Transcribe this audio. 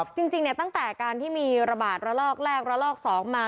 จริงตั้งแต่การที่มีระบาดระลอกแรกระลอก๒มา